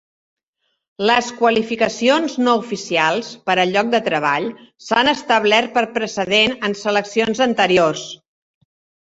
Les qualificacions no oficials per al lloc de treball s'han establert per precedent en seleccions anteriors.